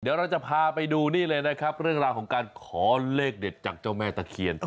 เดี๋ยวเราจะพาไปดูนี่เลยนะครับเรื่องราวของการขอเลขเด็ดจากเจ้าแม่ตะเคียน